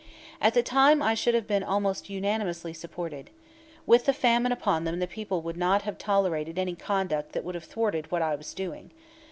At the time I should have been almost unanimously supported. With the famine upon them the people would not have tolerated any conduct that would have thwarted what I was doing.